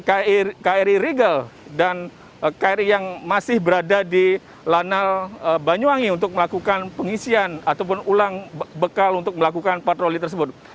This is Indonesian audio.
kri rigel dan kri yang masih berada di lanal banyuwangi untuk melakukan pengisian ataupun ulang bekal untuk melakukan patroli tersebut